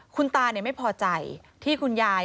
คุณตาไม่พอใจที่คุณยาย